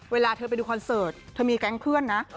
เวลาเธอไปดูคอนเสิร์ตเธอมีแก๊งเพื่อนนะ